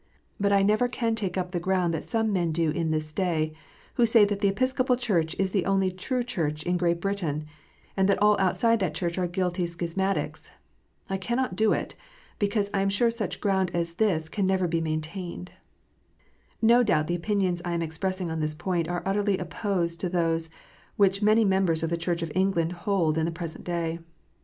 But I never can take up the ground that some men do in this day, who say that the Episcopal Church is the only true Church in Great Britain, and that all outside that Church are guilty schismatics. I cannot do it, because I am sure such ground as this never can be main tained. No doubt the opinions I am expressing on this point are utterly opposed to those which many members of the Church of England hold in the present day.